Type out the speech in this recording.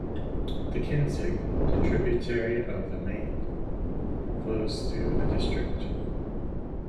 The Kinzig, a tributary of the Main, flows through the district.